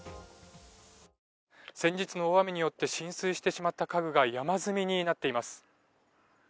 先日の大雨によって浸水してしまった家具が山積みになっています。